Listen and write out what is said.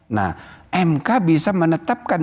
nah mk bisa menetapkan